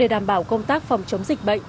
để đảm bảo công tác phòng chống dịch bệnh